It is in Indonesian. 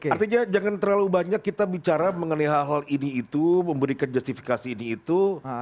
artinya jangan terlalu banyak kita bicara mengenai hal hal ini itu memberikan justifikasi ini itu